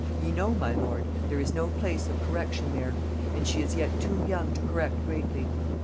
Ye know, my lord, there is no place of correction there. And she is yet too young to correct greatly.